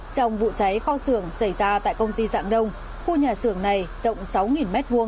trong vụ cháy kho sưởng xảy ra tại công ty giảng đông khu nhà sưởng này rộng sáu m hai